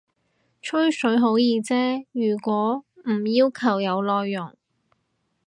吹水好易啫，如果唔要求有內容